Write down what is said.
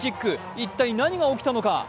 一体、何が起きたのか？